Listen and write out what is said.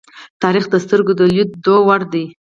تاریخ د سترگو د لیدو وړ دی.